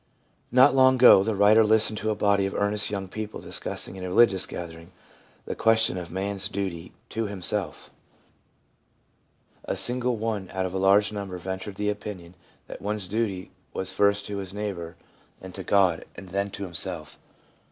Not long ago, the writer listened to a body of earnest young people discussing in a religious gathering the question of man's duty to 28 4 i4 THE PSYCHOLOGY OF RELIGION himself. A single one out of a large number ventured the opinion that one's duty was first to his neighbour and to God, and then to himself.